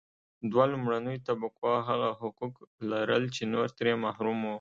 دوه لومړنیو طبقو هغه حقوق لرل چې نور ترې محروم وو.